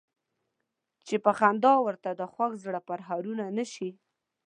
چې په خندا ورته د خوږ زړه پرهارونه نه شي.